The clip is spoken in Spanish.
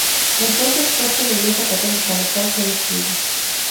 Entonces fue que la iglesia católica local fue destruida.